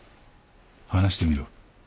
話してみろ。